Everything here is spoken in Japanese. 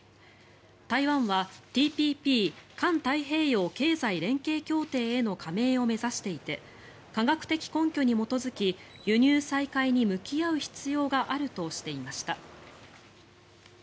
台湾はＴＰＰ・環太平洋経済連携協定への加盟を目指していて科学的根拠に基づき輸入再開に向き合う必要があるとしていました。